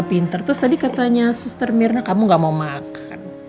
pinter terus tadi katanya suster mirna kamu gak mau makan